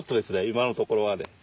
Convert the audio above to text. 今のところはね。